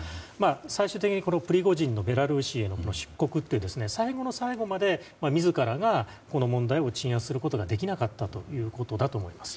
最終的にプリゴジンのベラルーシへの出国という最後の最後まで自らがこの問題を鎮圧することができなかったということだと思います。